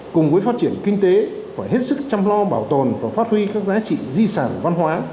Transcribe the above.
cùng với phát triển kinh tế phải hết sức chăm lo bảo tồn và phát huy các giá trị di sản văn hóa